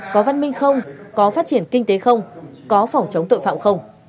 có văn minh không có phát triển kinh tế không có phòng chống tội phạm không